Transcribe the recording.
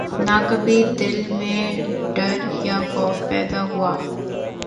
نہ کبھی دل میں ڈر یا خوف پیدا ہوا